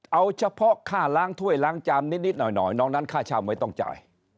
เอาเฉพาะค่าล้างถ้วยล้างจามนิดหน่อยน้องนั้นค่าเช่าไม่ต้องจ่าย